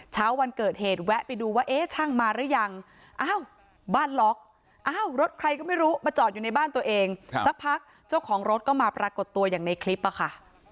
เช้าวันเกิดเหตุแวะไปดูว่าเอ๊ะช่างมาหรือยังอ้าวบ้านล็อกอ้าวรถใครก็ไม่รู้มาจอดอยู่ในบ้านตัวเองสักพักเจ้าของรถก็มาปรากฏตัวอย่างในคลิปอะค่ะ